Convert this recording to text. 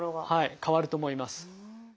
変わると思います。